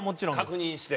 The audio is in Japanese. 確認して。